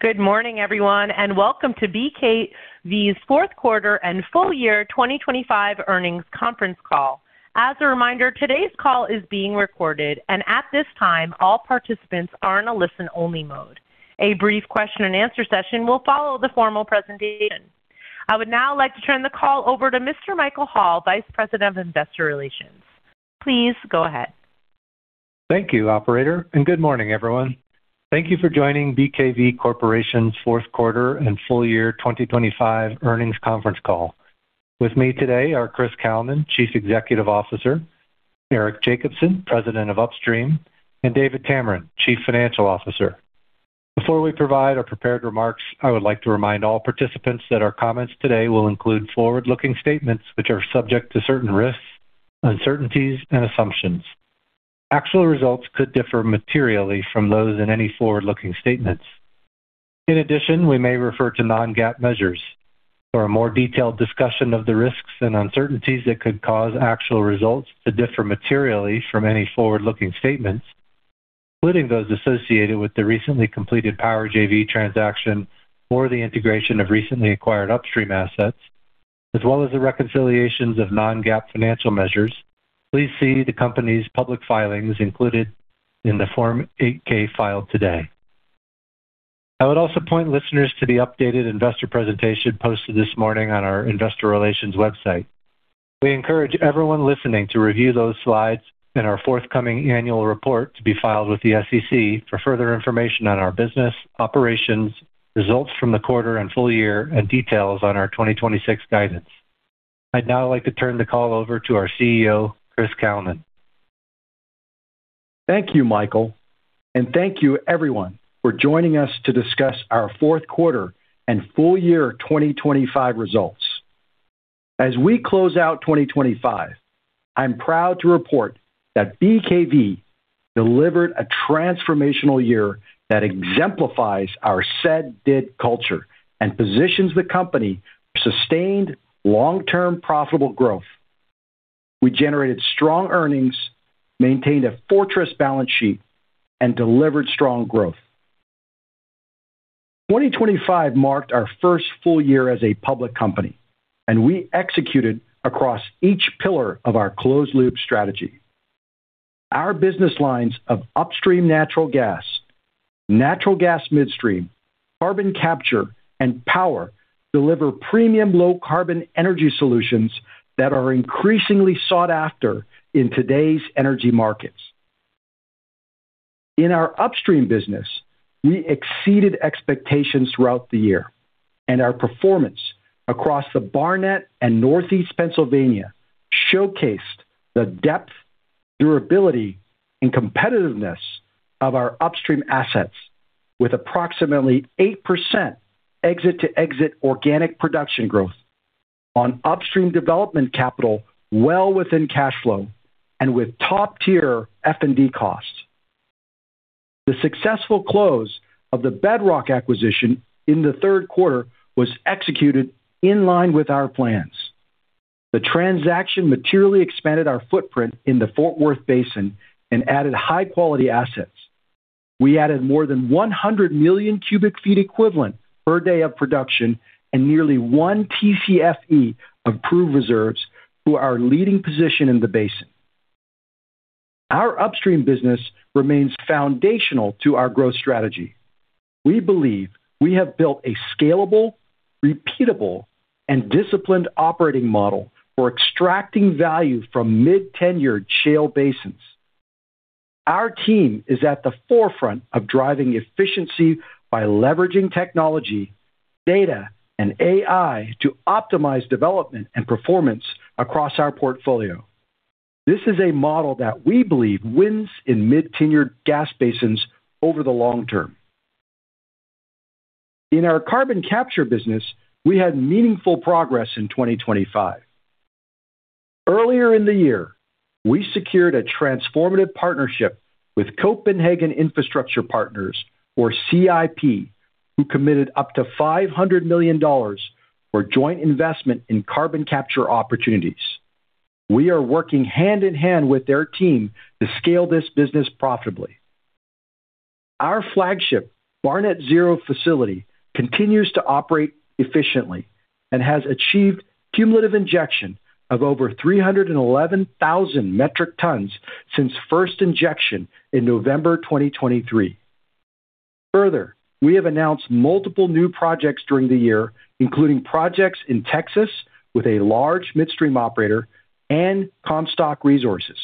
Good morning, everyone, and welcome to BKV's Fourth Quarter and Full Year 2025 Earnings Conference Call. As a reminder, today's call is being recorded, and at this time, all participants are in a listen-only mode. A brief question and answer session will follow the formal presentation. I would now like to turn the call over to Mr. Michael Hall, Vice President of Investor Relations. Please go ahead. Thank you, operator. Good morning, everyone. Thank you for joining BKV Corporation's Fourth Quarter and Full Year 2025 Earnings Conference Call. With me today are Chris Kalnin, Chief Executive Officer, Eric Jacobsen, President of Upstream, and David Tameron, Chief Financial Officer. Before we provide our prepared remarks, I would like to remind all participants that our comments today will include forward-looking statements, which are subject to certain risks, uncertainties, and assumptions. Actual results could differ materially from those in any forward-looking statements. In addition, we may refer to non-GAAP measures. For a more detailed discussion of the risks and uncertainties that could cause actual results to differ materially from any forward-looking statements, including those associated with the recently completed Power JV transaction or the integration of recently acquired upstream assets, as well as the reconciliations of non-GAAP financial measures, please see the company's public filings included in the Form 8-K filed today. I would also point listeners to the updated investor presentation posted this morning on our investor relations website. We encourage everyone listening to review those slides and our forthcoming annual report to be filed with the SEC for further information on our business, operations, results from the quarter and full year, and details on our 2026 guidance. I'd now like to turn the call over to our CEO, Chris Kalnin. Thank you, Michael, and thank you everyone for joining us to discuss our fourth quarter and full year 2025 results. As we close out 2025, I'm proud to report that BKV delivered a transformational year that exemplifies our said, did culture and positions the company for sustained, long-term, profitable growth. We generated strong earnings, maintained a fortress balance sheet, and delivered strong growth. 2025 marked our first full year as a public company, and we executed across each pillar of our closed-loop strategy. Our business lines of upstream natural gas, natural gas midstream, carbon capture, and power deliver premium low-carbon energy solutions that are increasingly sought after in today's energy markets. In our upstream business, we exceeded expectations throughout the year, and our performance across the Barnett and Northeast Pennsylvania showcased the depth, durability, and competitiveness of our upstream assets with approximately 8% exit-to-exit organic production growth on upstream development capital well within cash flow and with top-tier F&D costs. The successful close of the Bedrock acquisition in the third quarter was executed in line with our plans. The transaction materially expanded our footprint in the Fort Worth Basin and added high-quality assets. We added more than 100 million cu ft equivalent per day of production and nearly one Tcfe of proved reserves to our leading position in the basin. Our upstream business remains foundational to our growth strategy. We believe we have built a scalable, repeatable, and disciplined operating model for extracting value from mid-tenured shale basins. Our team is at the forefront of driving efficiency by leveraging technology, data, and AI to optimize development and performance across our portfolio. This is a model that we believe wins in mid-tenured gas basins over the long term. In our carbon capture business, we had meaningful progress in 2025. Earlier in the year, we secured a transformative partnership with Copenhagen Infrastructure Partners, or CIP, who committed up to $500 million for joint investment in carbon capture opportunities. We are working hand in hand with their team to scale this business profitably. Our flagship Barnett Zero facility continues to operate efficiently and has achieved cumulative injection of over 311,000 metric tons since first injection in November 2023. We have announced multiple new projects during the year, including projects in Texas with a large midstream operator and Comstock Resources.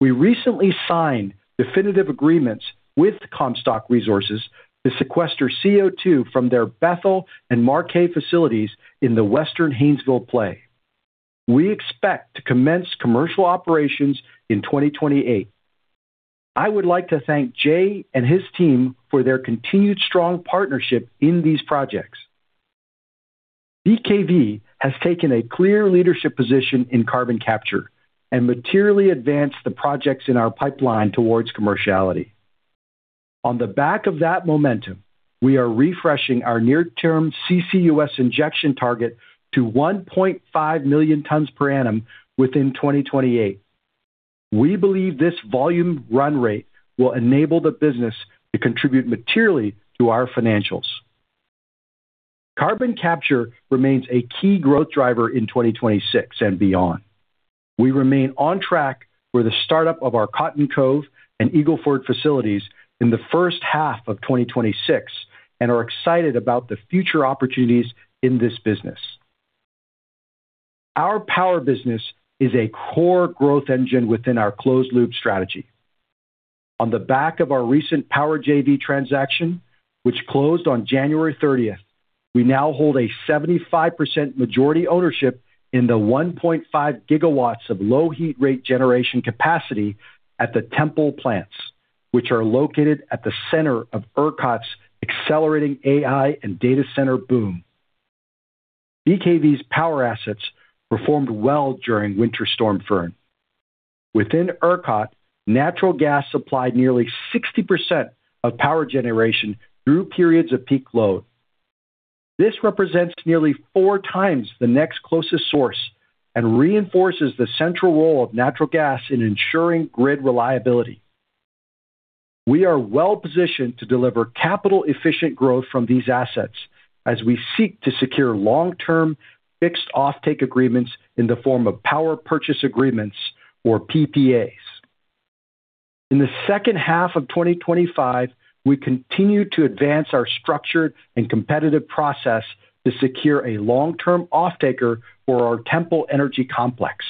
We recently signed definitive agreements with Comstock Resources to sequester CO2 from their Bethel and Marquez facilities in the Western Haynesville play. We expect to commence commercial operations in 2028. I would like to thank Jay and his team for their continued strong partnership in these projects. BKV has taken a clear leadership position in carbon capture and materially advanced the projects in our pipeline towards commerciality. The back of that momentum, we are refreshing our near-term CCUS injection target to 1.5 million tons per annum within 2028. We believe this volume run rate will enable the business to contribute materially to our financials. Carbon capture remains a key growth driver in 2026 and beyond. We remain on track for the startup of our Cotton Cove and Eagle Ford facilities in the first half of 2026. Are excited about the future opportunities in this business. Our power business is a core growth engine within our closed-loop strategy. On the back of our recent power JV transaction, which closed on January 30th, we now hold a 75% majority ownership in the 1.5 GW of low heat rate generation capacity at the Temple plants, which are located at the center of ERCOT's accelerating AI and data center boom. BKV's power assets performed well during Winter Storm Fern. Within ERCOT, natural gas supplied nearly 60% of power generation through periods of peak load. This represents nearly 4x the next closest source. Reinforces the central role of natural gas in ensuring grid reliability. We are well-positioned to deliver capital-efficient growth from these assets as we seek to secure long-term fixed offtake agreements in the form of power purchase agreements or PPAs. In the second half of 2025, we continued to advance our structured and competitive process to secure a long-term offtaker for our Temple Energy Complex.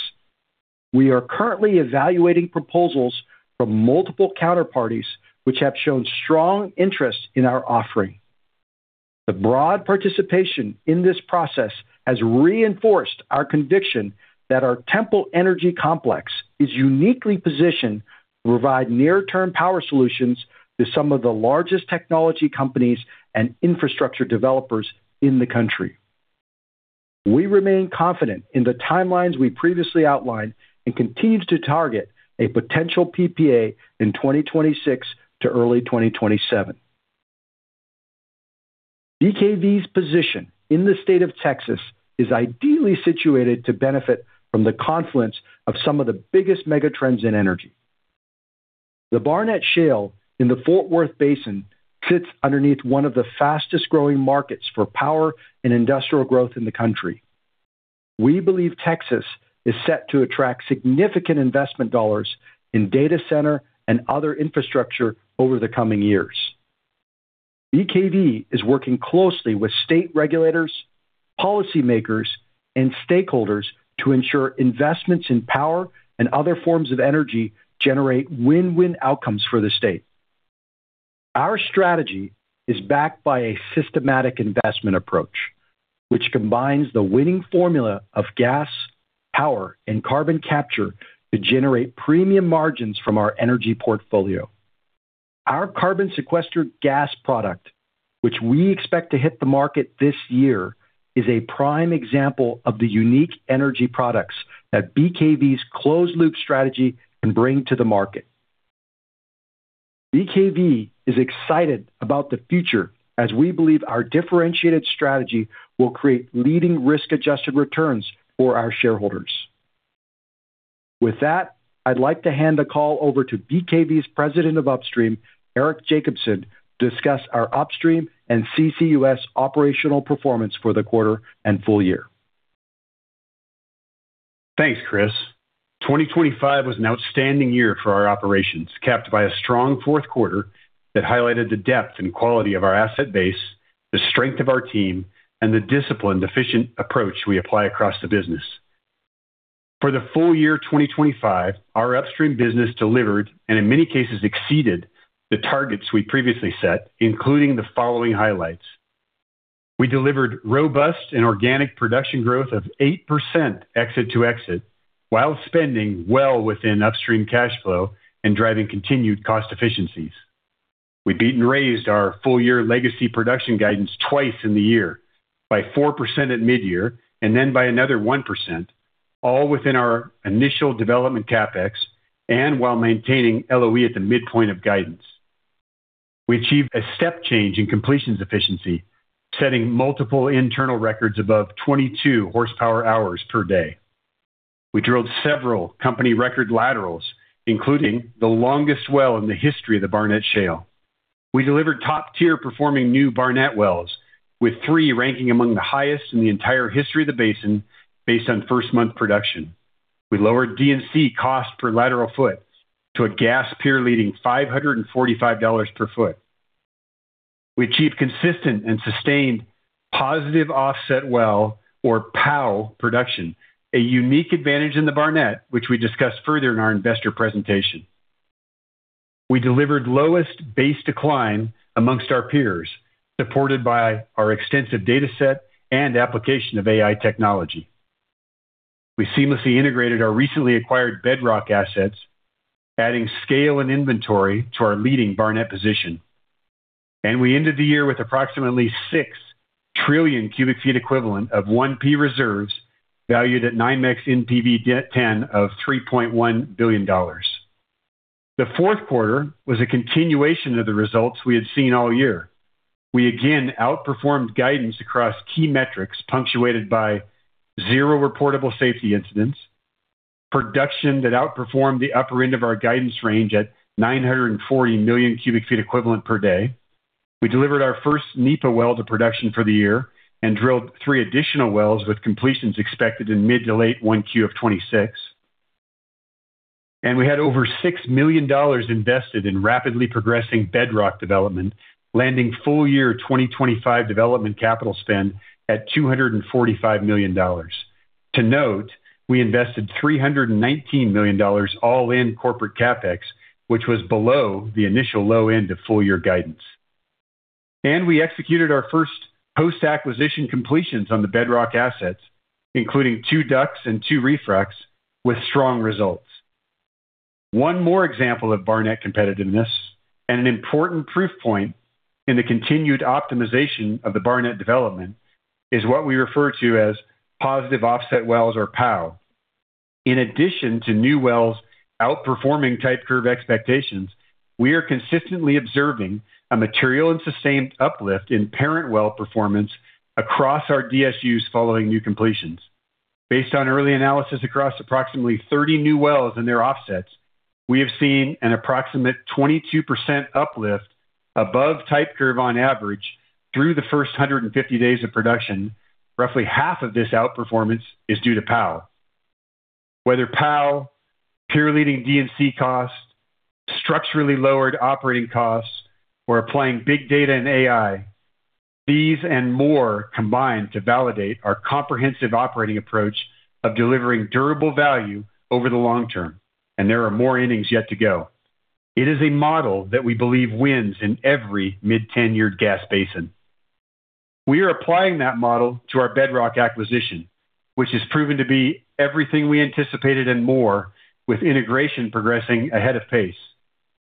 We are currently evaluating proposals from multiple counterparties, which have shown strong interest in our offering. The broad participation in this process has reinforced our conviction that our Temple Energy Complex is uniquely positioned to provide near-term power solutions to some of the largest technology companies and infrastructure developers in the country. We remain confident in the timelines we previously outlined and continue to target a potential PPA in 2026 to early 2027. BKV's position in the state of Texas is ideally situated to benefit from the confluence of some of the biggest megatrends in energy. The Barnett Shale in the Fort Worth Basin sits underneath one of the fastest-growing markets for power and industrial growth in the country. We believe Texas is set to attract significant investment dollars in data center and other infrastructure over the coming years. BKV is working closely with state regulators, policymakers, and stakeholders to ensure investments in power and other forms of energy generate win-win outcomes for the state. Our strategy is backed by a systematic investment approach, which combines the winning formula of gas, power, and carbon capture to generate premium margins from our energy portfolio. Our Carbon Sequestered Gas product, which we expect to hit the market this year, is a prime example of the unique energy products that BKV's closed-loop strategy can bring to the market. BKV is excited about the future, as we believe our differentiated strategy will create leading risk-adjusted returns for our shareholders. With that, I'd like to hand the call over to BKV's President of Upstream, Eric Jacobsen, to discuss our upstream and CCUS operational performance for the quarter and full year. Thanks, Chris. 2025 was an outstanding year for our operations, capped by a strong fourth quarter that highlighted the depth and quality of our asset base, the strength of our team, and the disciplined, efficient approach we apply across the business. For the full year 2025, our upstream business delivered, and in many cases, exceeded the targets we previously set, including the following highlights: We delivered robust and organic production growth of 8% exit to exit, while spending well within upstream cash flow and driving continued cost efficiencies. We beat and raised our full-year legacy production guidance twice in the year by 4% at mid-year, and then by another 1%, all within our initial development CapEx and while maintaining LOE at the midpoint of guidance. We achieved a step change in completions efficiency, setting multiple internal records above 22 hph per day. We drilled several company record laterals, including the longest well in the history of the Barnett Shale. We delivered top-tier performing new Barnett wells, with three ranking among the highest in the entire history of the basin, based on first-month production. We lowered DNC cost per lateral foot to a gas peer-leading $545 per foot. We achieved consistent and sustained positive offset well, or POW, production, a unique advantage in the Barnett, which we discuss further in our investor presentation. We delivered lowest base decline amongst our peers, supported by our extensive data set and application of AI technology. We seamlessly integrated our recently acquired Bedrock assets, adding scale and inventory to our leading Barnett position. We ended the year with approximately 6 trillion cu ft equivalent of 1P Reserves, valued at NYMEX NPV-10 of $3.1 billion. The fourth quarter was a continuation of the results we had seen all year. We again outperformed guidance across key metrics, punctuated by zero reportable safety incidents, production that outperformed the upper end of our guidance range at 940 million cu ft equivalent per day. We delivered our first NEPA well to production for the year and drilled three additional wells, with completions expected in mid to late 1Q of 2026. We had over $6 million invested in rapidly progressing Bedrock development, landing full year 2025 development capital spend at $245 million. To note, we invested $319 million all in corporate CapEx, which was below the initial low end of full year guidance. We executed our first post-acquisition completions on the Bedrock assets, including two DUCs and two refracs, with strong results. One more example of Barnett competitiveness and an important proof point in the continued optimization of the Barnett development, is what we refer to as positive offset wells, or POW. In addition to new wells outperforming type curve expectations, we are consistently observing a material and sustained uplift in parent well performance across our DSUs following new completions. Based on early analysis across approximately 30 new wells and their offsets, we have seen an approximate 22% uplift above type curve on average through the first 150 days of production. Roughly half of this outperformance is due to POW. Whether POW, peer-leading DNC costs, structurally lowered operating costs, or applying big data and AI, these and more combine to validate our comprehensive operating approach of delivering durable value over the long term. There are more innings yet to go. It is a model that we believe wins in every mid-tenured gas basin. We are applying that model to our Bedrock acquisition, which has proven to be everything we anticipated and more, with integration progressing ahead of pace.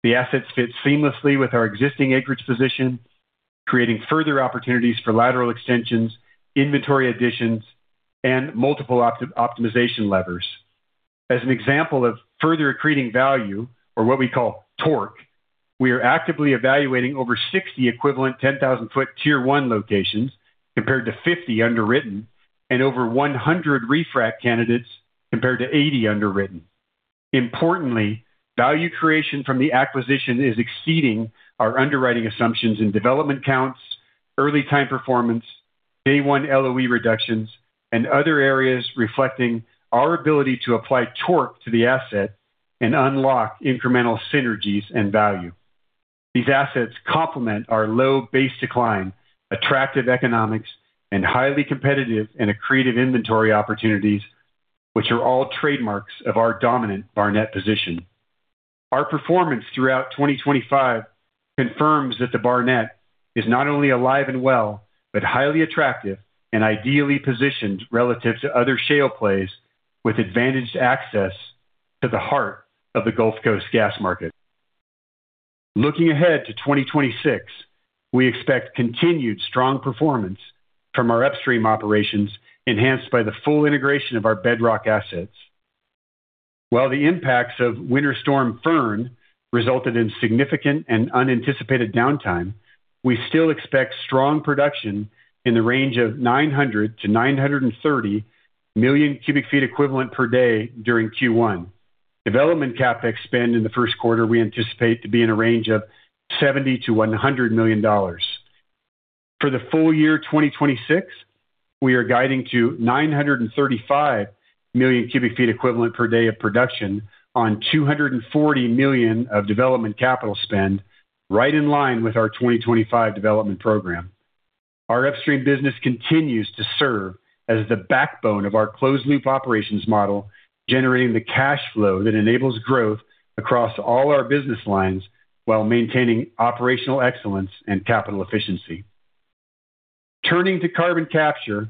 The assets fit seamlessly with our existing acreage position, creating further opportunities for lateral extensions, inventory additions, and multiple optimization levers. As an example of further accreting value, or what we call torque, we are actively evaluating over 60 equivalent 10,000 foot Tier 1 locations, compared to 50 underwritten and over 100 refrac candidates, compared to 80 underwritten. Importantly, value creation from the acquisition is exceeding our underwriting assumptions in development counts, early time performance, day one LOE reductions, and other areas reflecting our ability to apply torque to the asset and unlock incremental synergies and value. These assets complement our low base decline, attractive economics, and highly competitive and accretive inventory opportunities, which are all trademarks of our dominant Barnett position. Our performance throughout 2025 confirms that the Barnett is not only alive and well, but highly attractive and ideally positioned relative to other shale plays, with advantaged access to the heart of the Gulf Coast gas market. Looking ahead to 2026, we expect continued strong performance from our upstream operations, enhanced by the full integration of our Bedrock assets. The impacts of Winter Storm Fern resulted in significant and unanticipated downtime, we still expect strong production in the range of 900–930 million CFE/d during Q1. Development CapEx spend in the first quarter, we anticipate to be in a range of $70 million-$100 million. The full year 2026, we are guiding to 935 million CFE/d of production on $240 million of development capital spend, right in line with our 2025 development program. Our upstream business continues to serve as the backbone of our closed-loop operations model, generating the cash flow that enables growth across all our business lines while maintaining operational excellence and capital efficiency. Turning to carbon capture,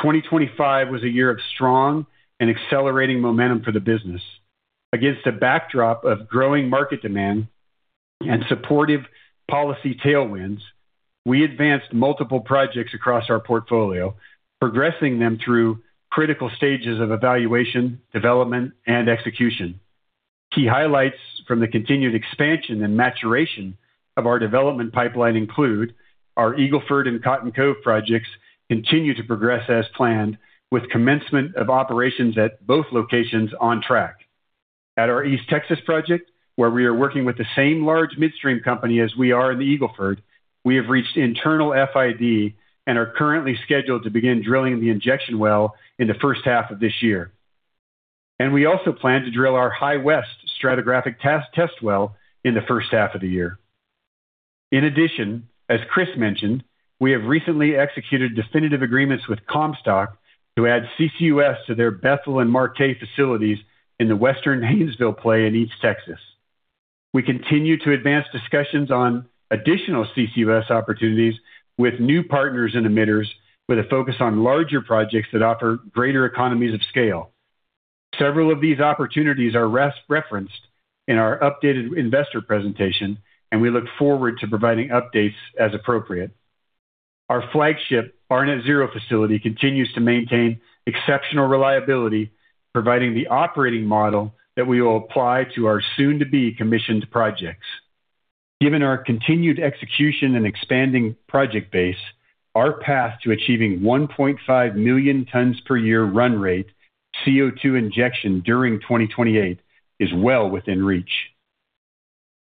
2025 was a year of strong and accelerating momentum for the business. Against a backdrop of growing market demand and supportive policy tailwinds, we advanced multiple projects across our portfolio, progressing them through critical stages of evaluation, development, and execution. Key highlights from the continued expansion and maturation of our development pipeline include our Eagle Ford and Cotton Cove projects continue to progress as planned, with commencement of operations at both locations on track. At our East Texas project, where we are working with the same large midstream company as we are in the Eagle Ford, we have reached internal FID and are currently scheduled to begin drilling the injection well in the first half of this year. We also plan to drill our High West stratigraphic test well in the first half of the year. In addition, as Chris mentioned, we have recently executed definitive agreements with Comstock to add CCUS to their Bethel and Marquez facilities in the Western Haynesville play in East Texas. We continue to advance discussions on additional CCUS opportunities with new partners and emitters, with a focus on larger projects that offer greater economies of scale. Several of these opportunities are referenced in our updated investor presentation, we look forward to providing updates as appropriate. Our flagship Barnett Zero facility continues to maintain exceptional reliability, providing the operating model that we will apply to our soon-to-be commissioned projects. Given our continued execution and expanding project base, our path to achieving 1.5 million tons per year run rate, CO2 injection during 2028 is well within reach.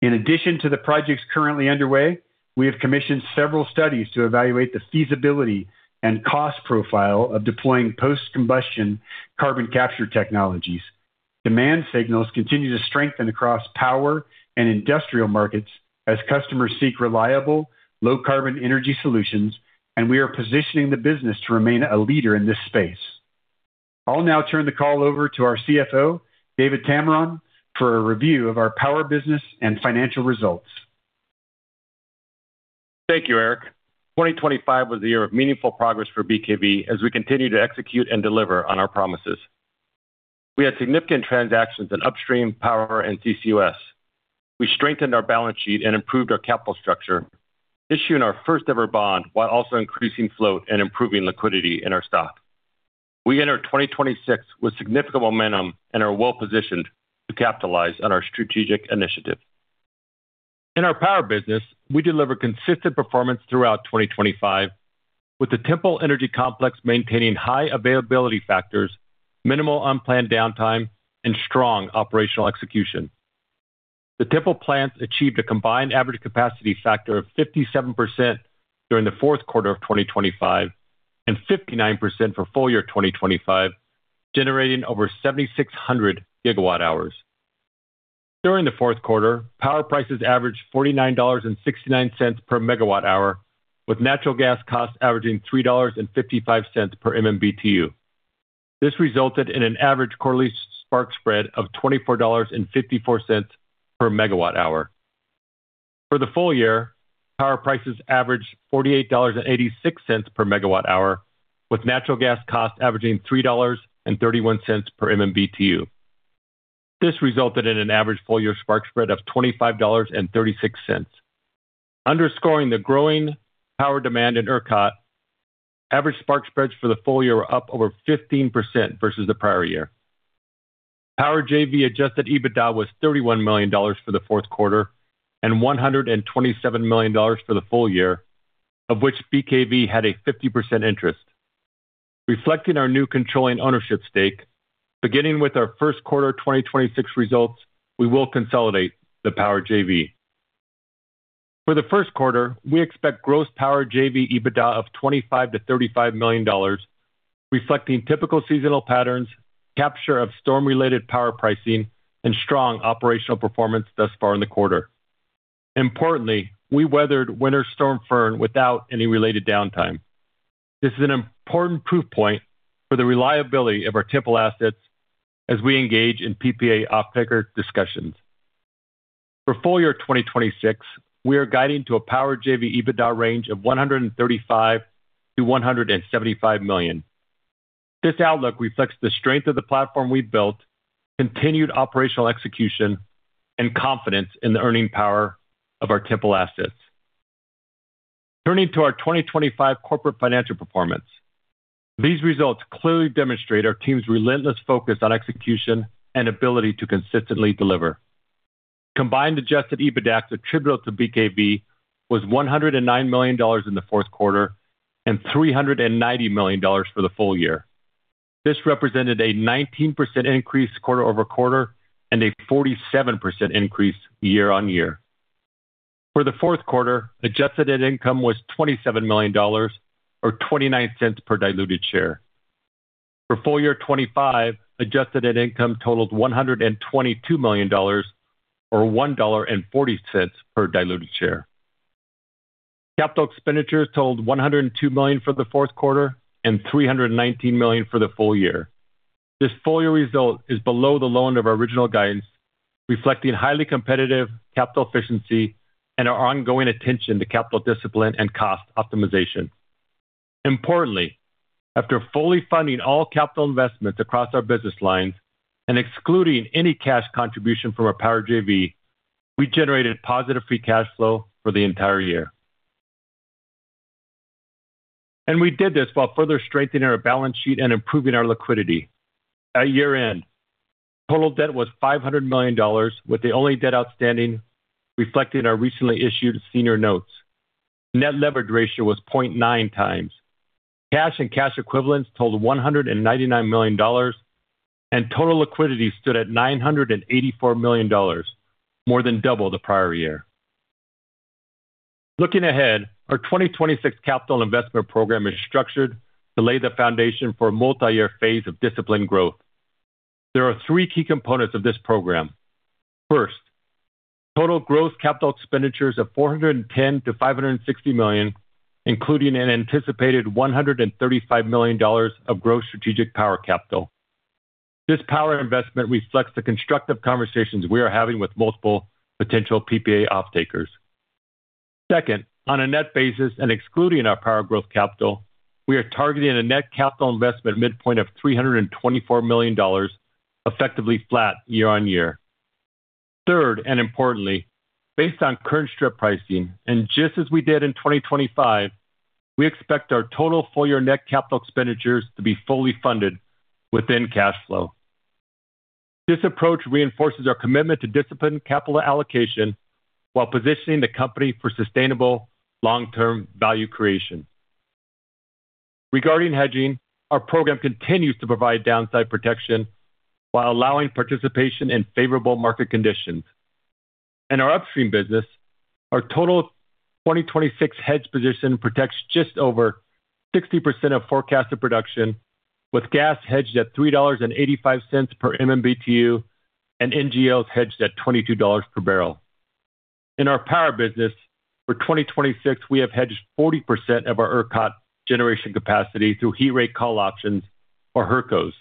In addition to the projects currently underway, we have commissioned several studies to evaluate the feasibility and cost profile of deploying post-combustion carbon capture technologies. Demand signals continue to strengthen across power and industrial markets as customers seek reliable, low-carbon energy solutions, and we are positioning the business to remain a leader in this space. I'll now turn the call over to our CFO, David Tameron, for a review of our power business and financial results. Thank you, Eric. 2025 was a year of meaningful progress for BKV as we continue to execute and deliver on our promises. We had significant transactions in upstream power and CCUS. We strengthened our balance sheet and improved our capital structure, issuing our first-ever bond, while also increasing float and improving liquidity in our stock. We enter 2026 with significant momentum and are well-positioned to capitalize on our strategic initiative. In our power business, we deliver consistent performance throughout 2025, with the Temple Energy Complex maintaining high availability factors, minimal unplanned downtime, and strong operational execution. The Temple plants achieved a combined average capacity factor of 57% during the fourth quarter of 2025, and 59% for full year 2025, generating over 7,600 GWh. During the fourth quarter, power prices averaged $49.69 per MWh, with natural gas costs averaging $3.55 per MMBtu. This resulted in an average quarterly spark spread of $24.54 per MWh. For the full year, power prices averaged $48.86 per MWh, with natural gas costs averaging $3.31 per MMBtu. This resulted in an average full-year spark spread of $25.36. Underscoring the growing power demand in ERCOT, average spark spreads for the full year were up over 15% versus the prior year. Power JV adjusted EBITDA was $31 million for the fourth quarter and $127 million for the full year, of which BKV had a 50% interest. Reflecting our new controlling ownership stake, beginning with our first quarter 2026 results, we will consolidate the Power JV. For the first quarter, we expect gross Power JV EBITDA of $25 million-$35 million, reflecting typical seasonal patterns, capture of storm-related power pricing, and strong operational performance thus far in the quarter. Importantly, we weathered Winter Storm Fern without any related downtime. This is an important proof point for the reliability of our Temple assets as we engage in PPA offtaker discussions. For full year 2026, we are guiding to a Power JV EBITDA range of $135 million-$175 million. This outlook reflects the strength of the platform we've built, continued operational execution, and confidence in the earning power of our Temple assets. Turning to our 2025 corporate financial performance. These results clearly demonstrate our team's relentless focus on execution and ability to consistently deliver. Combined adjusted EBITDA attributable to BKV was $109 million in the fourth quarter and $390 million for the full year. This represented a 19% increase quarter-over-quarter and a 47% increase year-over-year. For the fourth quarter, adjusted net income was $27 million or $0.29 per diluted share. For full year 2025, adjusted net income totaled $122 million or $1.40 per diluted share. Capital expenditures totaled $102 million for the fourth quarter and $319 million for the full year. This full-year result is below the low of our original guidance, reflecting highly competitive capital efficiency and our ongoing attention to capital discipline and cost optimization. Importantly, after fully funding all capital investments across our business lines and excluding any cash contribution from our Power JV, we generated positive free cash flow for the entire year. We did this while further strengthening our balance sheet and improving our liquidity. At year-end, total debt was $500 million, with the only debt outstanding reflecting our recently issued senior notes. Net leverage ratio was 0.9x. Cash and cash equivalents totaled $199 million, and total liquidity stood at $984 million, more than double the prior year. Looking ahead, our 2026 capital investment program is structured to lay the foundation for a multi-year phase of disciplined growth. There are three key components of this program. First, total growth CapEx of $410 million-$560 million, including an anticipated $135 million of gross strategic power capital. This power investment reflects the constructive conversations we are having with multiple potential PPA offtakers. Second, on a net basis and excluding our power growth capital, we are targeting a net capital investment midpoint of $324 million, effectively flat year-on-year. Third, and importantly, based on current strip pricing, and just as we did in 2025, we expect our total full year net CapEx to be fully funded within cash flow. This approach reinforces our commitment to disciplined capital allocation, while positioning the company for sustainable long-term value creation. Regarding hedging, our program continues to provide downside protection while allowing participation in favorable market conditions. In our upstream business, our total 2026 hedge position protects just over 60% of forecasted production, with gas hedged at $3.85 per MMBtu and NGLs hedged at $22 per barrel. In our power business, for 2026, we have hedged 40% of our ERCOT generation capacity through heat rate call options or HRCOs.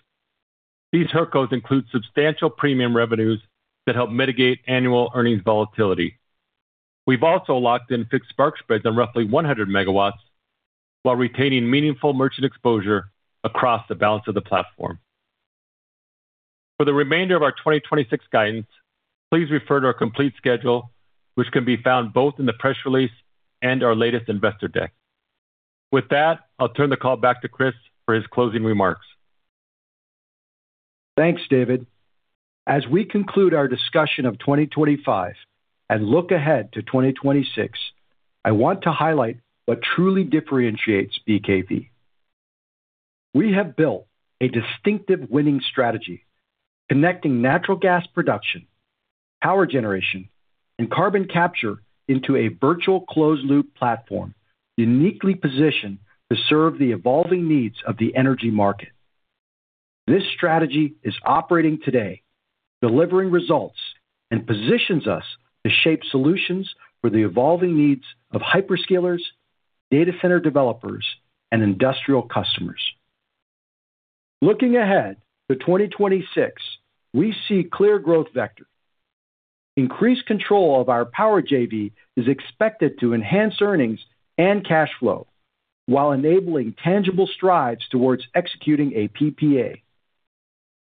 These HRCOs include substantial premium revenues that help mitigate annual earnings volatility. We've also locked in fixed spark spreads on roughly 100 MW, while retaining meaningful merchant exposure across the balance of the platform. For the remainder of our 2026 guidance, please refer to our complete schedule, which can be found both in the press release and our latest investor deck. That, I'll turn the call back to Chris for his closing remarks. Thanks, David. As we conclude our discussion of 2025 and look ahead to 2026, I want to highlight what truly differentiates BKV. We have built a distinctive winning strategy, connecting natural gas production, power generation, and carbon capture into a virtual closed-loop platform, uniquely positioned to serve the evolving needs of the energy market. This strategy is operating today, delivering results, and positions us to shape solutions for the evolving needs of hyperscalers, data center developers, and industrial customers. Looking ahead to 2026, we see clear growth vector. Increased control of our Power JV is expected to enhance earnings and cash flow, while enabling tangible strides towards executing a PPA.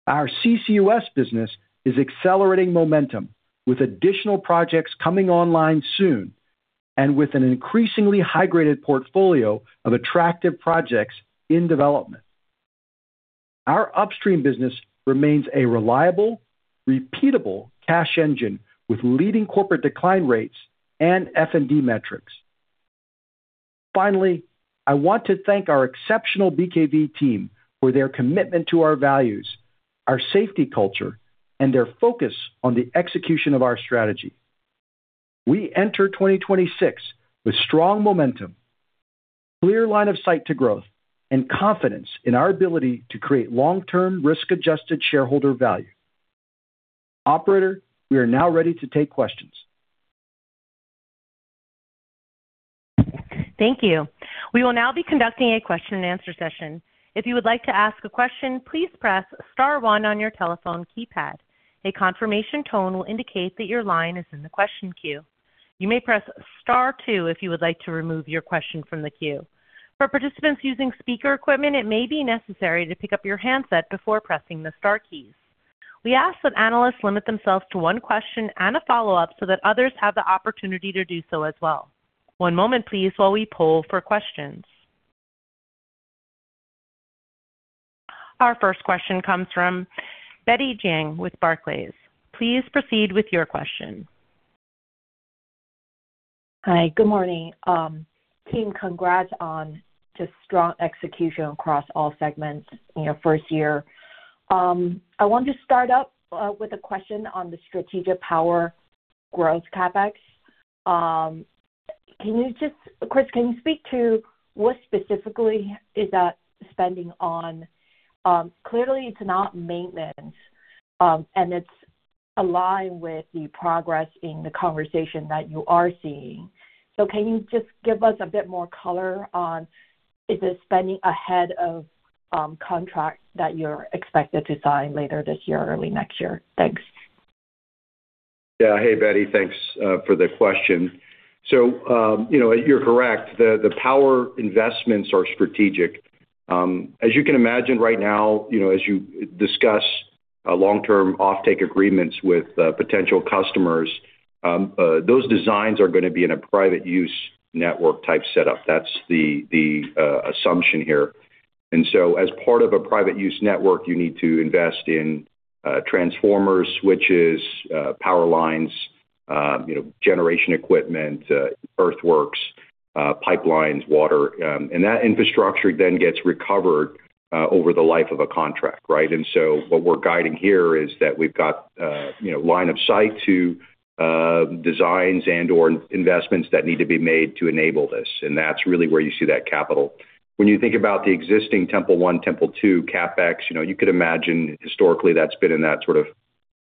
Our CCUS business is accelerating momentum, with additional projects coming online soon and with an increasingly high-graded portfolio of attractive projects in development. Our upstream business remains a reliable, repeatable cash engine with leading corporate decline rates and F&D metrics. I want to thank our exceptional BKV team for their commitment to our values, our safety culture, and their focus on the execution of our strategy. We enter 2026 with strong momentum, clear line of sight to growth, and confidence in our ability to create long-term, risk-adjusted shareholder value. Operator, we are now ready to take questions. Thank you. We will now be conducting a question-and-answer session. If you would like to ask a question, please press star one on your telephone keypad. A confirmation tone will indicate that your line is in the question queue. You may press star two if you would like to remove your question from the queue. For participants using speaker equipment, it may be necessary to pick up your handset before pressing the star keys. We ask that analysts limit themselves to one question and a follow-up so that others have the opportunity to do so as well. One moment, please, while we poll for questions. Our first question comes from Betty Jiang with Barclays. Please proceed with your question. Hi, good morning, team. Congrats on just strong execution across all segments in your first year. I want to start up with a question on the strategic power growth CapEx. Chris, can you speak to what specifically is that spending on? Clearly, it's not maintenance, and it's aligned with the progress in the conversation that you are seeing. Can you just give us a bit more color on—is this spending ahead of contracts that you're expected to sign later this year or early next year? Thanks. Yeah. Hey, Betty. Thanks for the question. You know, you're correct, the power investments are strategic. As you can imagine right now, you know, as you discuss long-term offtake agreements with potential customers, those designs are gonna be in a private use network type setup. That's the assumption here. As part of a private use network, you need to invest in transformers, switches, power lines, you know, generation equipment, earthworks, pipelines, water. And that infrastructure then gets recovered over the life of a contract, right? What we're guiding here is that we've got a, you know, line of sight to designs and/or investments that need to be made to enable this, and that's really where you see that capital. When you think about the existing Temple I, Temple II CapEx, you know, you could imagine historically, that's been in that sort of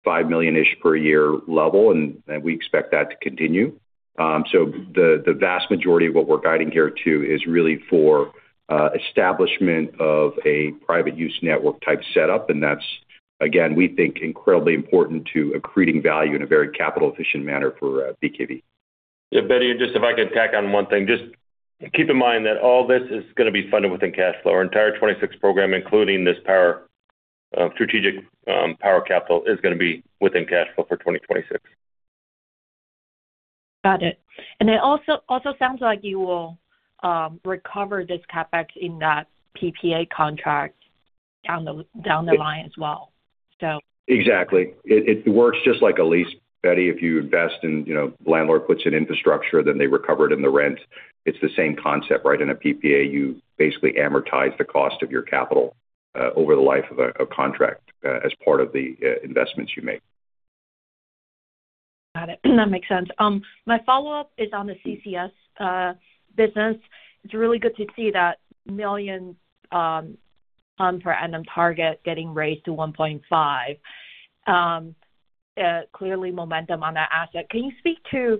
$5 million-ish per year level, and we expect that to continue. The vast majority of what we're guiding here to is really for establishment of a private use network type setup, and that's, again, we think, incredibly important to accreting value in a very capital-efficient manner for BKV. Yeah, Betty, just if I could tack on one thing, just keep in mind that all this is going to be funded within cash flow. Our entire 2026 program, including this power, strategic, power capital, is going to be within cash flow for 2026. It also sounds like you will recover this CapEx in that PPA contract down the line as well. Exactly. It works just like a lease, Betty. If you invest and, you know, the landlord puts in infrastructure, then they recover it in the rent. It's the same concept, right? In a PPA, you basically amortize the cost of your capital over the life of a contract as part of the investments you make. Got it. That makes sense. My follow-up is on the CCUS business. It's really good to see that million ton for annum target getting raised to 1.5. Clearly momentum on that asset. Can you speak to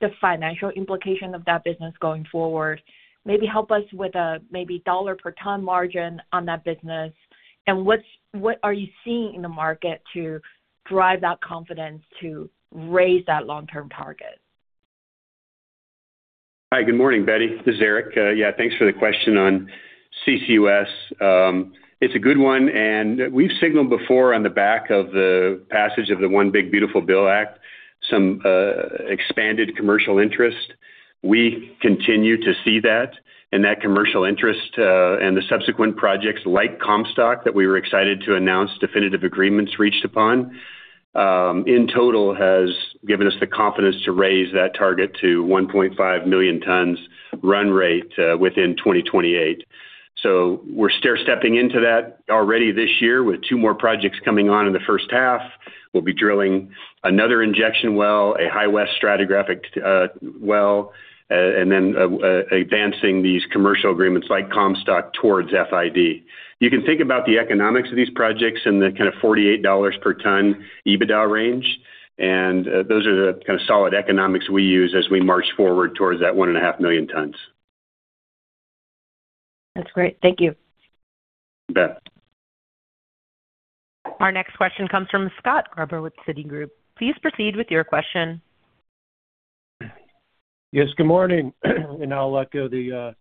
the financial implication of that business going forward? Maybe help us with a maybe dollar-per-ton margin on that business, and what are you seeing in the market to drive that confidence to raise that long-term target? Hi, good morning, Betty. This is Eric. Yeah, thanks for the question on CCUS. It's a good one. We've signaled before on the back of the passage of the One Big Beautiful Bill Act, some expanded commercial interest. We continue to see that, and that commercial interest and the subsequent projects like Comstock, that we were excited to announce definitive agreements reached upon, in total, has given us the confidence to raise that target to 1.5 million tons run rate within 2028. We're stairstepping into that already this year, with two more projects coming on in the first half. We'll be drilling another injection well, a High West stratigraphic well, and then advancing these commercial agreements like Comstock towards FID. You can think about the economics of these projects in the kind of $48 per ton EBITDA range. Those are the kind of solid economics we use as we march forward towards that 1.5 million tons. That's great. Thank you. You bet. Our next question comes from Scott Gruber with Citigroup. Please proceed with your question. Yes, good morning. I'll let go the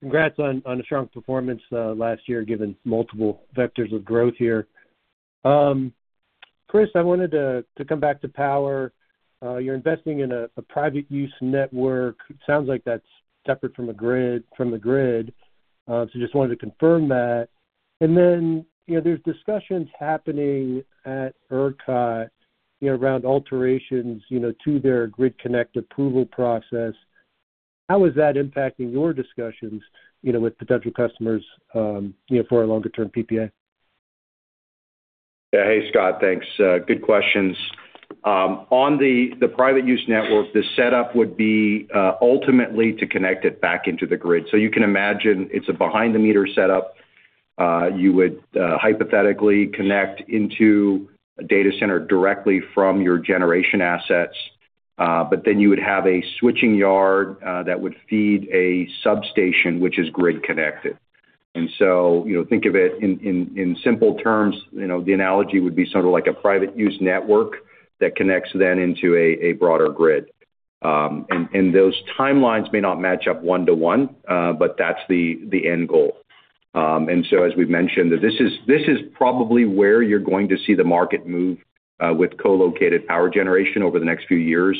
congrats on a strong performance last year, given multiple vectors of growth here. Chris, I wanted to come back to power. You're investing in a private use network. It sounds like that's separate from the grid. So just wanted to confirm that. Then, you know, there's discussions happening at ERCOT, you know, around alterations, you know, to their grid connect approval process. How is that impacting your discussions, you know, with potential customers, you know, for a longer-term PPA? Yeah. Hey, Scott. Thanks. Good questions. On the private use network, the setup would be ultimately to connect it back into the grid. You can imagine it's a behind-the-meter setup. You would hypothetically connect into a data center directly from your generation assets, but then you would have a switching yard that would feed a substation, which is grid connected. You know, think of it in simple terms, you know, the analogy would be sort of like a private use network that connects then into a broader grid. Those timelines may not match up one to one, that's the end goal. As we've mentioned, that this is probably where you're going to see the market move with co-located power generation over the next few years.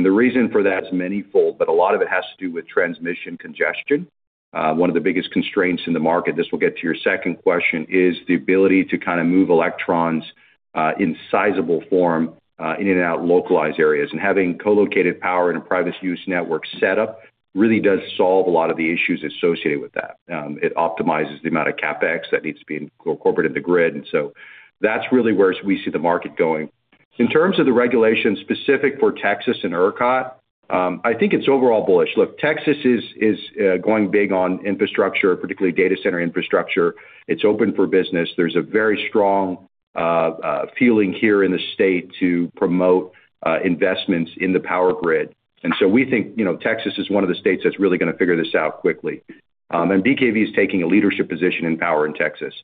The reason for that is manyfold, but a lot of it has to do with transmission congestion. One of the biggest constraints in the market, this will get to your second question, is the ability to kind of move electrons in sizable form in and out localized areas. Having co-located power in a private use network setup really does solve a lot of the issues associated with that. It optimizes the amount of CapEx that needs to be incorporated in the grid. That's really where we see the market going. In terms of the regulations specific for Texas and ERCOT, I think it's overall bullish. Look, Texas is going big on infrastructure, particularly data center infrastructure. It's open for business. There's a very strong feeling here in the state to promote investments in the power grid. We think, you know, Texas is one of the states that's really going to figure this out quickly. BKV is taking a leadership position in power in Texas.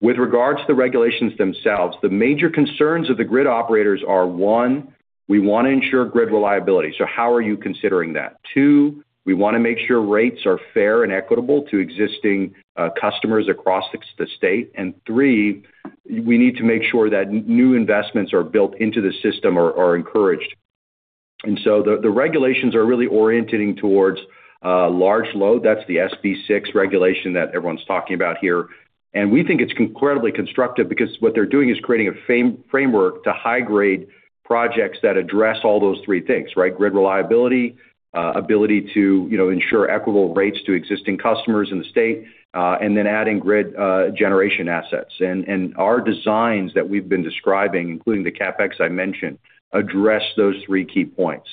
With regards to the regulations themselves, the major concerns of the grid operators are, One, we want to ensure grid reliability. How are you considering that? Two, we want to make sure rates are fair and equitable to existing customers across the state. Three, we need to make sure that new investments are built into the system are encouraged. The regulations are really orientating towards large load. That's the SB6 regulation that everyone's talking about here. We think it's incredibly constructive because what they're doing is creating a framework to high-grade projects that address all those three things, right? Grid reliability, ability to, you know, ensure equitable rates to existing customers in the state, and then adding grid generation assets. Our designs that we've been describing, including the CapEx I mentioned, address those three key points.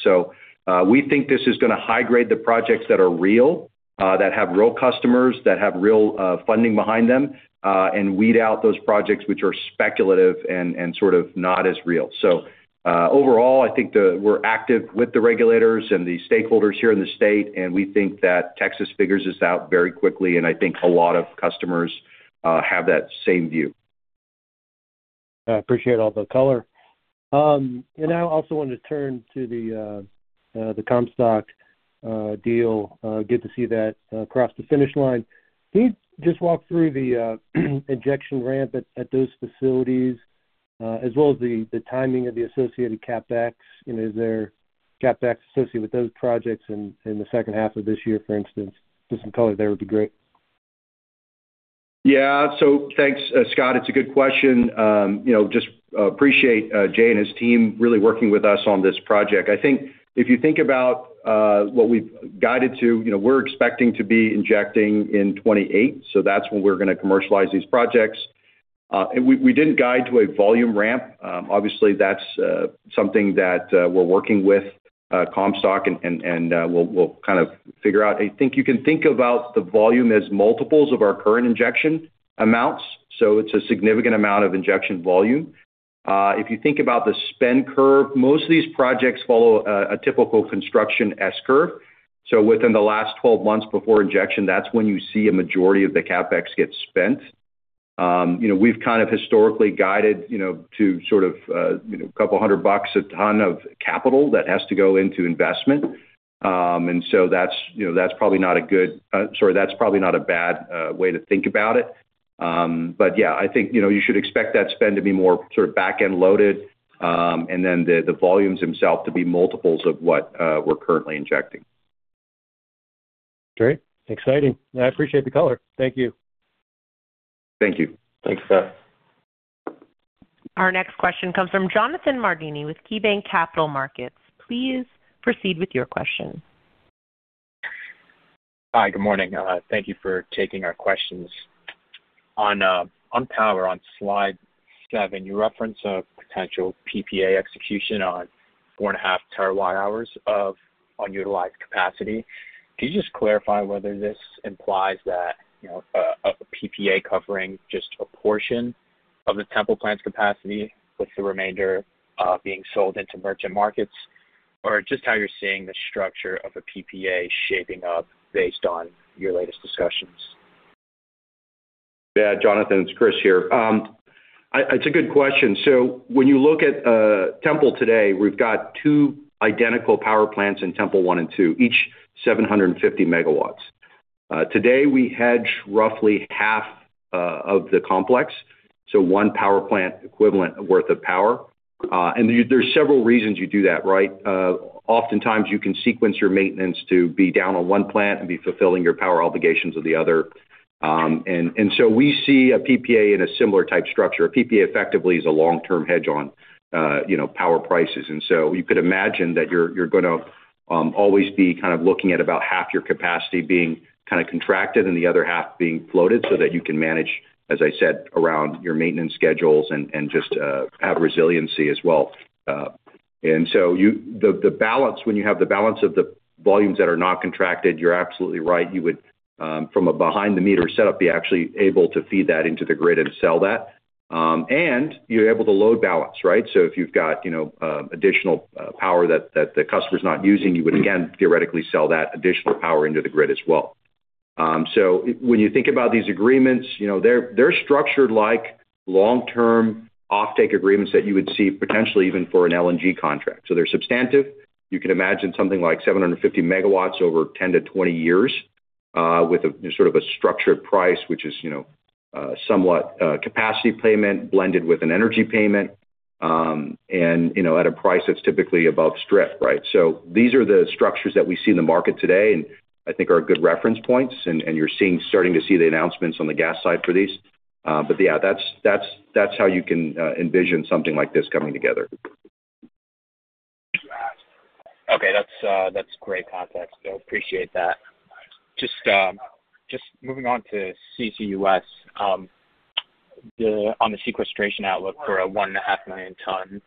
We think this is going to high grade the projects that are real, that have real customers, that have real funding behind them, and weed out those projects which are speculative and sort of not as real. Overall, I think we're active with the regulators and the stakeholders here in the state. We think that Texas figures this out very quickly, and I think a lot of customers have that same view. I appreciate all the color. I also wanted to turn to the Comstock deal. Good to see that cross the finish line. Can you just walk through the injection ramp at those facilities, as well as the timing of the associated CapEx? Is there CapEx associated with those projects in the second half of this year, for instance? Just some color there would be great. Yeah. Thanks, Scott. It's a good question. You know, just appreciate Jay and his team really working with us on this project. I think—if you think about what we've guided to, you know, we're expecting to be injecting in 2028, so that's when we're gonna commercialize these projects. We didn't guide to a volume ramp. Obviously that's something that we're working with Comstock, and we'll kind of figure out. I think you can think about the volume as multiples of our current injection amounts, so it's a significant amount of injection volume. If you think about the spend curve, most of these projects follow a typical construction S curve. Within the last 12 months before injection, that's when you see a majority of the CapEx get spent. You know, we've kind of historically guided, you know, to sort of, you know, couple hundred bucks a ton of capital that has to go into investment. That's, you know, that's probably not a good, sorry, that's probably not a bad way to think about it. Yeah, I think, you know, you should expect that spend to be more sort of back-end loaded, and then the volumes themselves to be multiples of what, we're currently injecting. Great. Exciting. I appreciate the color. Thank you. Thank you. Thanks, Scott. Our next question comes from Jonathan Mardini with KeyBanc Capital Markets. Please proceed with your question. Hi, good morning. Thank you for taking our questions. On power, on slide seven, you reference a potential PPA execution on 4.5 TWh of unutilized capacity. Can you just clarify whether this implies that, you know, a PPA covering just a portion of the Temple plant's capacity, with the remainder being sold into merchant markets? Just how you're seeing the structure of a PPA shaping up based on your latest discussions. Jonathan, it's Chris here. It's a good question. When you look at Temple today, we've got two identical power plants in Temple I and II, each 750 MW. Today, we hedge roughly half of the complex, so one power plant equivalent worth of power. There's several reasons you do that, right? Oftentimes, you can sequence your maintenance to be down on one plant and be fulfilling your power obligations with the other. We see a PPA in a similar type structure. A PPA effectively is a long-term hedge on, you know, power prices. You could imagine that you're gonna always be kinda looking at about half your capacity being kinda contracted and the other half being floated, so that you can manage, as I said, around your maintenance schedules and just have resiliency as well. The balance, when you have the balance of the volumes that are not contracted, you're absolutely right. You would, from a behind-the-meter setup, be actually able to feed that into the grid and sell that. You're able to load balance, right? If you've got, you know, additional power that the customer's not using, you would, again, theoretically sell that additional power into the grid as well. When you think about these agreements, you know, they're structured like long-term offtake agreements that you would see potentially even for an LNG contract. They're substantive. You can imagine something like 750 MW over 10–20 years, with a sort of a structured price, which is, you know, somewhat capacity payment blended with an energy payment, and, you know, at a price that's typically above strip, right? These are the structures that we see in the market today, and I think are good reference points, and starting to see the announcements on the gas side for these. Yeah, that's how you can envision something like this coming together. Okay. That's great context, so appreciate that. Just moving on to CCUS. On the sequestration outlook for a 1.5 million ton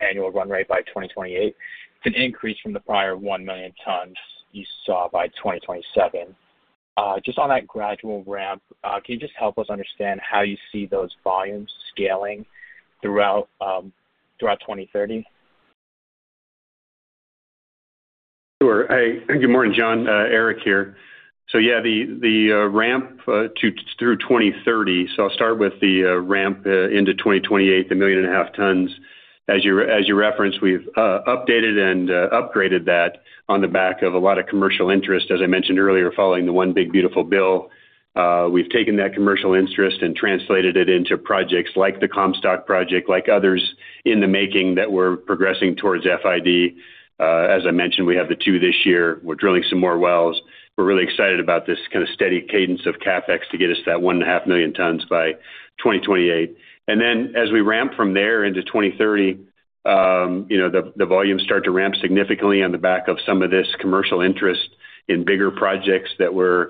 annual run rate by 2028, it's an increase from the prior one million tons you saw by 2027. Just on that gradual ramp, can you just help us understand how you see those volumes scaling throughout throughout 2030? Sure. Hey, good morning, John, Eric here. Yeah, the ramp to—through 2030. I'll start with the ramp into 2028, the 1.5 million tons. As you referenced, we've updated and upgraded that on the back of a lot of commercial interest. As I mentioned earlier, following the One Big Beautiful Bill, we've taken that commercial interest and translated it into projects like the Comstock project, like others in the making, that we're progressing towards FID. As I mentioned, we have the two this year. We're drilling some more wells. We're really excited about this kinda steady cadence of CapEx to get us to that 1.5 million tons by 2028. As we ramp from there into 2030, you know, the volumes start to ramp significantly on the back of some of this commercial interest in bigger projects that we're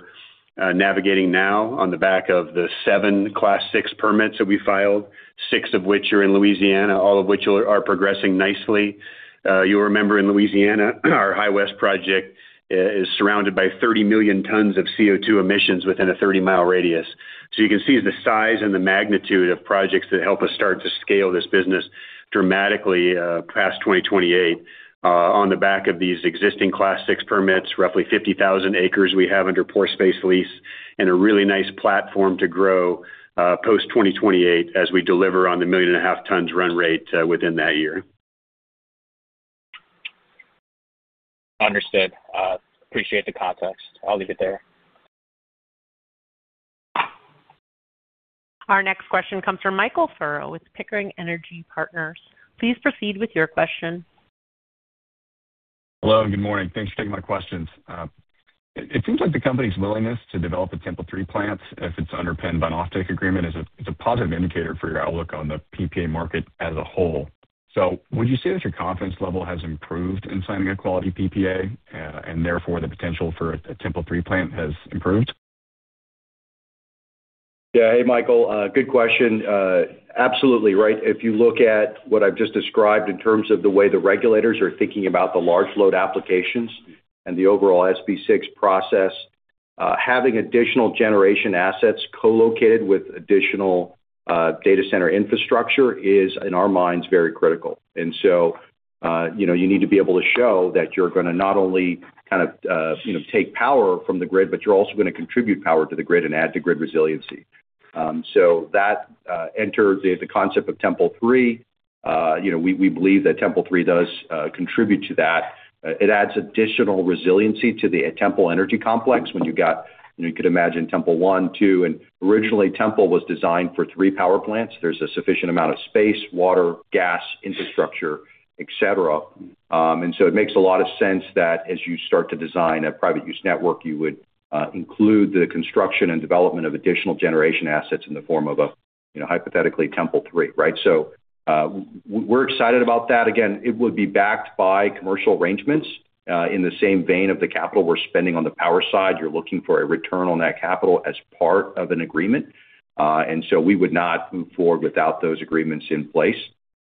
navigating now on the back of the seven Class VI permits that we filed, six of which are in Louisiana, all of which are progressing nicely. You'll remember, in Louisiana, our High West project is surrounded by 30 million tons of CO2 emissions within a 30-mile radius. You can see the size and the magnitude of projects that help us start to scale this business dramatically, past 2028, on the back of these existing Class VI permits, roughly 50,000 acres we have under pore space lease, and a really nice platform to grow, post 2028 as we deliver on the 1.5 million tons run rate, within that year. Understood. Appreciate the context. I'll leave it there. Our next question comes from Michael Furrow with Pickering Energy Partners. Please proceed with your question. Hello, and good morning. Thanks for taking my questions. It seems like the company's willingness to develop a Temple III plant, if it's underpinned by an offtake agreement, it's a positive indicator for your outlook on the PPA market as a whole. Would you say that your confidence level has improved in signing a quality PPA, and therefore the potential for a Temple III plant has improved? Yeah. Hey, Michael, good question. Absolutely right. If you look at what I've just described in terms of the way the regulators are thinking about the large load applications and the overall SB6 process, having additional generation assets co-located with additional data center infrastructure is, in our minds, very critical. You know, you need to be able to show that you're gonna not only kind of, you know, take power from the grid, but you're also gonna contribute power to the grid and add to grid resiliency. That enters the concept of Temple III. You know, we believe that Temple III does contribute to that. It adds additional resiliency to the Temple Energy Complex. You could imagine Temple I, II, and originally Temple was designed for three power plants. There's a sufficient amount of space, water, gas, infrastructure, et cetera. And so it makes a lot of sense that as you start to design a private use network, you would include the construction and development of additional generation assets in the form of a, you know, hypothetically, Temple III, right? We're excited about that. Again, it would be backed by commercial arrangements in the same vein of the capital we're spending on the power side. You're looking for a return on that capital as part of an agreement. And so we would not move forward without those agreements in place.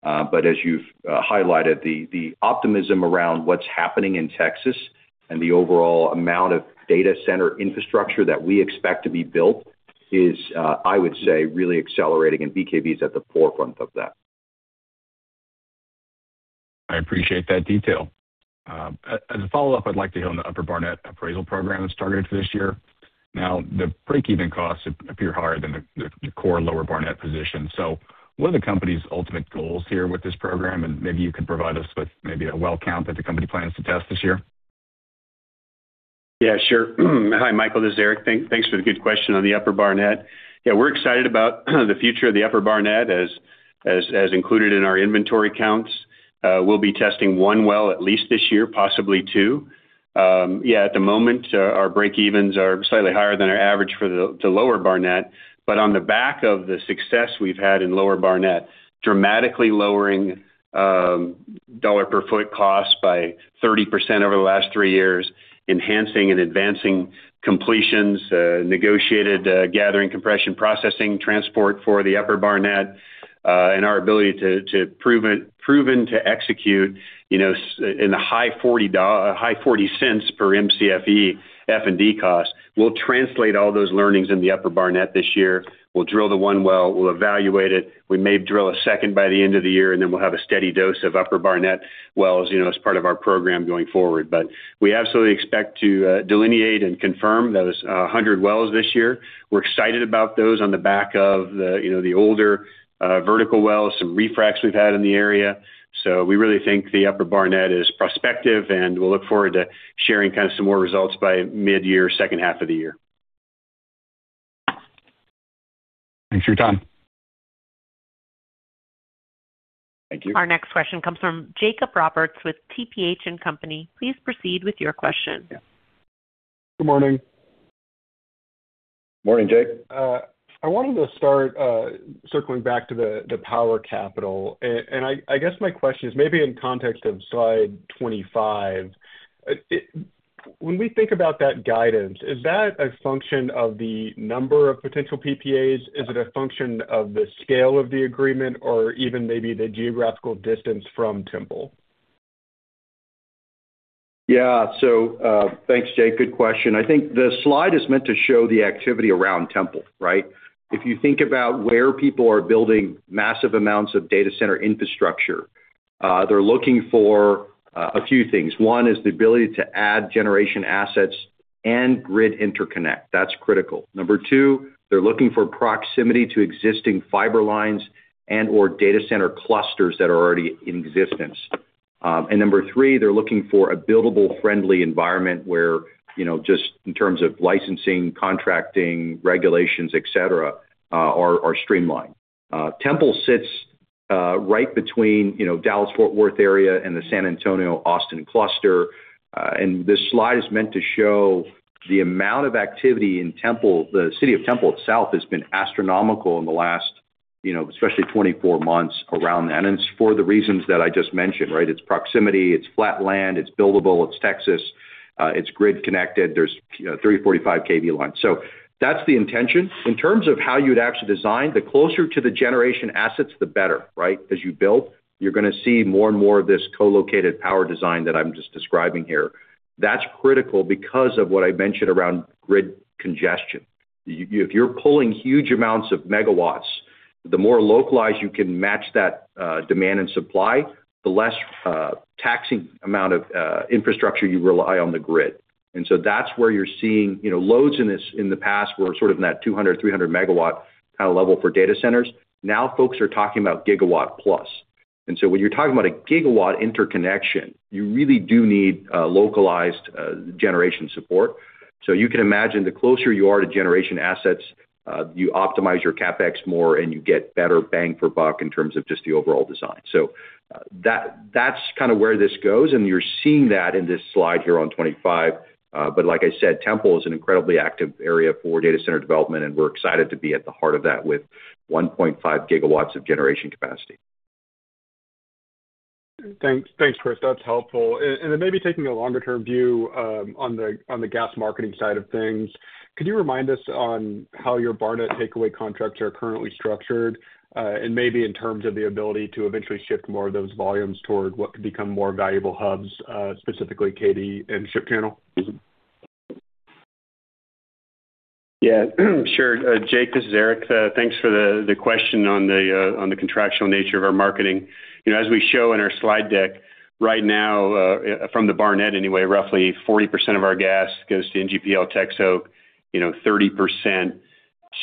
But as you've highlighted, the optimism around what's happening in Texas and the overall amount of data center infrastructure that we expect to be built is, I would say, really accelerating, and BKV is at the forefront of that. I appreciate that detail. As a follow-up, I'd like to hear on the Upper Barnett Appraisal program that started for this year. Now, the break-even costs appear higher than the core Lower Barnett position. What are the company's ultimate goals here with this program? Maybe you could provide us with maybe a well count that the company plans to test this year. Yeah, sure. Hi, Michael, this is Eric. Thanks for the good question on the Upper Barnett. We're excited about the future of the Upper Barnett as included in our inventory counts. We'll be testing one well, at least this year, possibly two. At the moment, our breakevens are slightly higher than our average for the Lower Barnett, but on the back of the success we've had in Lower Barnett, dramatically lowering dollar per foot costs by 30% over the last three years, enhancing and advancing completions, negotiated gathering, compression, processing, transport for the Upper Barnett, and our ability to proven to execute, you know, in the high 40 cents per Mcfe, F&D cost. We'll translate all those learnings in the Upper Barnett this year. We'll drill the one well, we'll evaluate it. We may drill a second by the end of the year, then we'll have a steady dose of Upper Barnett wells, you know, as part of our program going forward. We absolutely expect to delineate and confirm those 100 wells this year. We're excited about those on the back of the, you know, the older, vertical wells, some refracs we've had in the area. We really think the Upper Barnett is prospective, and we'll look forward to sharing kind of some more results by midyear, second half of the year. Thanks for your time. Thank you. Our next question comes from Jacob Roberts with TPH & Co. Please proceed with your question. Good morning. Morning, Jake. I wanted to start, circling back to the power capital. I guess my question is, maybe in context of slide 25, When we think about that guidance, is that a function of the number of potential PPAs? Is it a function of the scale of the agreement or even maybe the geographical distance from Temple? Yeah. Thanks, Jake. Good question. I think the slide is meant to show the activity around Temple, right? If you think about where people are building massive amounts of data center infrastructure, they're looking for a few things. One, is the ability to add generation assets and grid interconnect. That's critical. Number two, they're looking for proximity to existing fiber lines and/or data center clusters that are already in existence. Number three, they're looking for a buildable, friendly environment where, you know, just in terms of licensing, contracting, regulations, et cetera, are streamlined. Temple sits right between, you know, Dallas-Fort Worth area and the San Antonio-Austin cluster. This slide is meant to show the amount of activity in Temple. The city of Temple itself has been astronomical in the last, you know, especially 24 months around that. It's for the reasons that I just mentioned, right? It's proximity, it's flat land, it's buildable, it's Texas, it's grid connected, there's, you know, 30–45 kV lines. That's the intention. In terms of how you'd actually design, the closer to the generation assets, the better, right? As you build, you're gonna see more and more of this co-located power design that I'm just describing here. That's critical because of what I mentioned around grid congestion. If you're pulling huge amounts of megawatts, the more localized you can match that demand and supply, the less taxing amount of infrastructure you rely on the grid. That's where you're seeing, you know, loads in the past, were sort of in that 200, 300 MW kind of level for data centers. Now, folks are talking about gigawatt+. When you're talking about a gigawatt interconnection, you really do need localized generation support. You can imagine the closer you are to generation assets, you optimize your CapEx more, and you get better bang for buck in terms of just the overall design. That, that's kind of where this goes, and you're seeing that in this slide here on 25. Like I said, Temple is an incredibly active area for data center development, and we're excited to be at the heart of that with 1.5 GW of generation capacity. Thanks. Thanks, Chris. That's helpful. Then maybe taking a longer-term view, on the, on the gas marketing side of things, could you remind us on how your Barnett takeaway contracts are currently structured, and maybe in terms of the ability to eventually shift more of those volumes toward what could become more valuable hubs, specifically Katy and Ship Channel? Yeah, sure. Jake, this is Eric. Thanks for the question on the contractual nature of our marketing. You know, as we show in our slide deck, right now, from the Barnett anyway, roughly 40% of our gas goes to NGPL TexOk, you know, 30%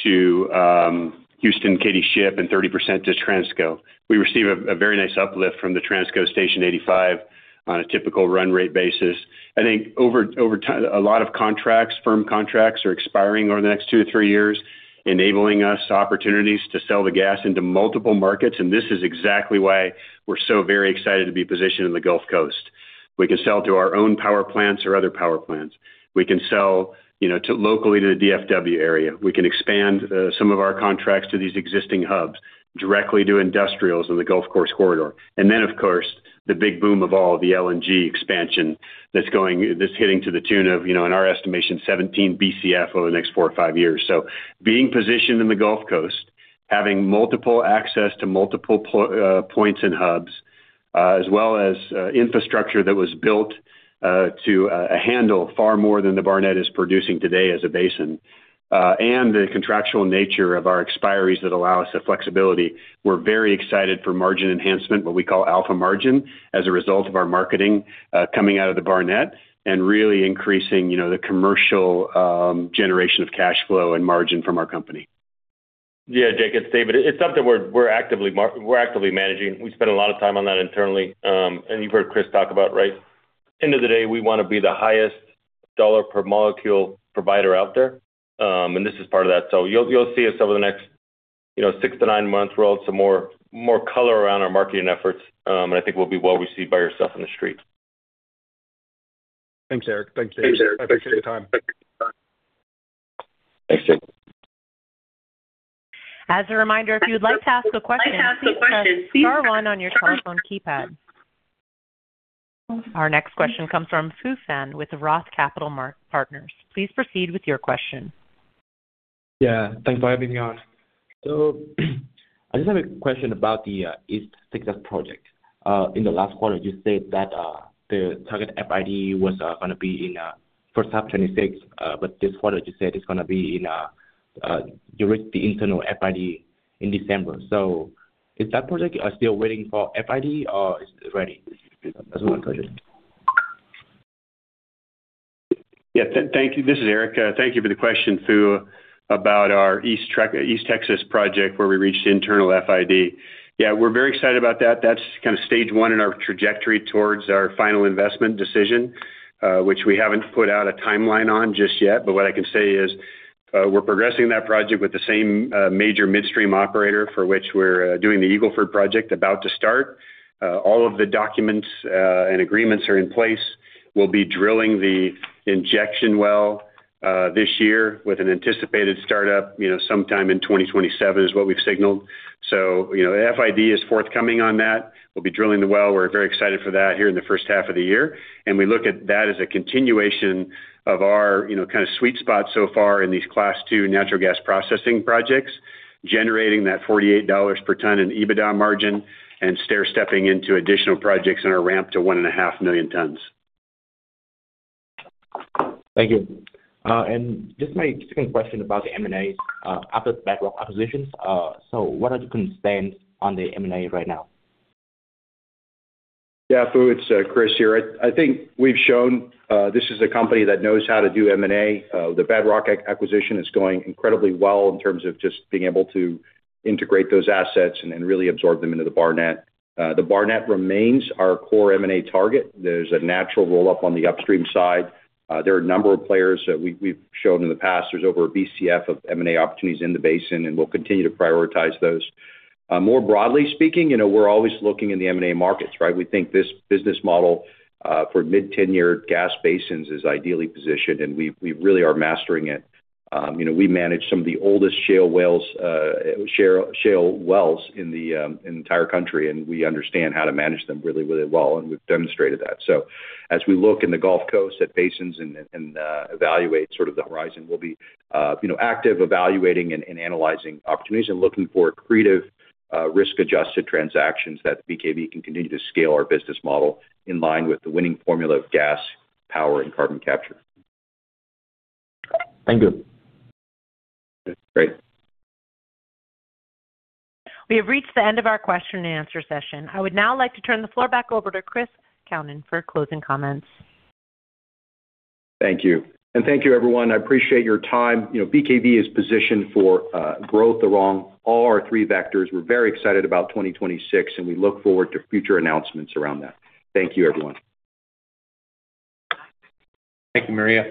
to Houston, Katy Ship, and 30% to Transco. We receive a very nice uplift from the Transco station 85 on a typical run rate basis. I think over time, a lot of contracts, firm contracts are expiring over the next two to three years, enabling us opportunities to sell the gas into multiple markets. This is exactly why we're so very excited to be positioned in the Gulf Coast. We can sell to our own power plants or other power plants. We can sell, you know, locally to the DFW area. We can expand some of our contracts to these existing hubs, directly to industrials in the Gulf Coast corridor. Of course, the big boom of all, the LNG expansion that's hitting to the tune of, you know, in our estimation, 17 Bcf over the next four or five years. Being positioned in the Gulf Coast, having multiple access to multiple points and hubs, as well as infrastructure that was built to handle far more than the Barnett is producing today as a basin, and the contractual nature of our expiries that allow us the flexibility. We're very excited for margin enhancement, what we call alpha margin, as a result of our marketing, coming out of the Barnett and really increasing, you know, the commercial generation of cash flow and margin from our company. Yeah, Jake, it's David. It's something we're actively managing. We spend a lot of time on that internally. You've heard Chris talk about, right? End of the day, we wanna be the highest dollar per molecule provider out there, this is part of that. You'll see us over the next, you know, six to nine months, we'll add some more color around our marketing efforts, I think we'll be well received by yourself in the street. Thanks, Eric. I appreciate the time. Thanks, Jake. As a reminder, if you'd like to ask a question, press star one on your telephone keypad. Our next question comes from Phu Pham with the ROTH Capital Partners. Please proceed with your question. Yeah, thanks for having me on. I just have a question about the East Texas project. In the last quarter, you said that the target FID was gonna be in first half 2026, but this quarter, you reached the internal FID in December. Is that project still waiting for FID, or is it ready? That's one question. Thank you. This is Eric. Thank you for the question, Phu, about our East Texas project, where we reached internal FID. We're very excited about that. That's kind of stage one in our trajectory towards our final investment decision, which we haven't put out a timeline on just yet. What I can say is, we're progressing that project with the same major midstream operator for which we're doing the Eagle Ford project about to start. All of the documents and agreements are in place. We'll be drilling the injection well this year, with an anticipated startup, you know, sometime in 2027, is what we've signaled. FID is forthcoming on that. We'll be drilling the well. We're very excited for that here in the first half of the year, and we look at that as a continuation of our, you know, kind of sweet spot so far in these Class II natural gas processing projects, generating that $48 per ton in EBITDA margin and stair stepping into additional projects in our ramp to 1.5 million tons. Thank you. Just my second question about the M&A, other Bedrock acquisitions. What are the concerns on the M&A right now? Yeah, Phu, it's Chris here. I think we've shown this is a company that knows how to do M&A. The Bedrock acquisition is going incredibly well in terms of just being able to integrate those assets and then really absorb them into the Barnett. The Barnett remains our core M&A target. There's a natural roll-up on the upstream side. There are a number of players that we've shown in the past. There's over a Bcf of M&A opportunities in the basin, and we'll continue to prioritize those. More broadly speaking, you know, we're always looking in the M&A markets, right? We think this business model for mid-tenure gas basins is ideally positioned, and we really are mastering it. You know, we manage some of the oldest shale wells in the entire country, and we understand how to manage them really, really well, and we've demonstrated that. As we look in the Gulf Coast at basins and evaluate sort of the horizon, we'll be, you know, active, evaluating and analyzing opportunities and looking for accretive, risk-adjusted transactions that BKV can continue to scale our business model in line with the winning formula of gas, power, and carbon capture. Thank you. Great. We have reached the end of our question and answer session. I would now like to turn the floor back over to Chris Kalnin for closing comments. Thank you. Thank you, everyone. I appreciate your time. You know, BKV is positioned for growth along all our three vectors. We're very excited about 2026, and we look forward to future announcements around that. Thank you, everyone. Thank you, Maria.